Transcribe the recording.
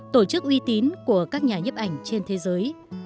tổ chức uy tín của các nhà nhấp ảnh trên thế giới